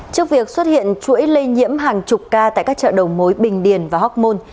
trước việc xuất hiện chuỗi lây nhiễm hàng chục ca tại các chợ đầu mối bình điền và hóc môn